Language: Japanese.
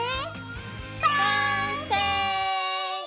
完成！